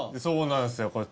そうなんですよ。